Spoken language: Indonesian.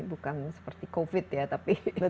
bukan seperti covid ya tapi